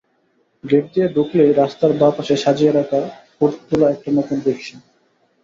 Gate দিয়ে ঢুকলেই রাস্তার বাঁ পাশে সাজিয়ে রাখা হুড তোলা একটা নতুন রিকশা।